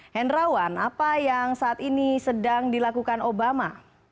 hendrawan apa yang saat ini sedang dilakukan obama